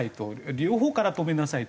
両方から止めなさいと。